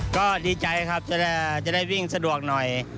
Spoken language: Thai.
ก็ดีใจครับจะได้วิ่งสะดวกหน่อย